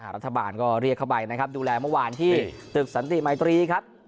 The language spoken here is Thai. รัฐบาลก็เรียกเข้าไปนะครับดูแลเมื่อวานที่ตึกสันติมัยตรีครับ